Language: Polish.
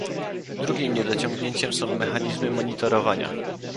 drugim niedociągnięciem są mechanizmy monitorowania